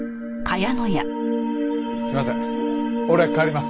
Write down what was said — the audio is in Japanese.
すいません俺帰ります。